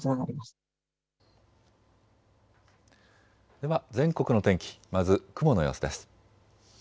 では全国の天気、まず雲の様子です。